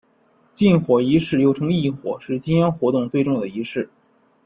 进火仪式又称刈火是进香活动最重要的仪式。